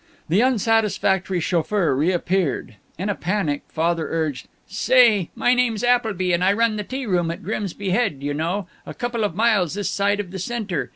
The unsatisfactory chauffeur reappeared. In a panic Father urged, "Say, my name's Appleby and I run the tea room at Grimsby Head you know, couple of miles this side of the Center.